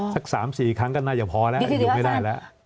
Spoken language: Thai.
สัก๓๔ครั้งก็น่าจะพอแล้วอยู่ไม่ได้แล้ว